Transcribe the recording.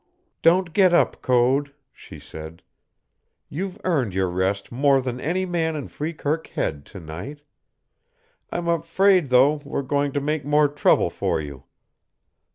"Don't get up, Code," she said. "You've earned your rest more than any man in Freekirk Head to night. I'm afraid, though, we're going to make more trouble for you.